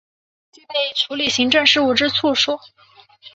具备处理行政事务之处所